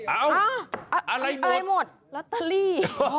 อะไรหมดร็อตเทอรี่